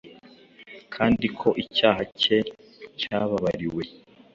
kandi ko icyaha cye cyababariwe.